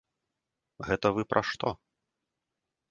Гэта вы пра што?